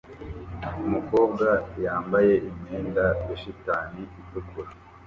Umukobwa yambaye imyenda ya shitani itukura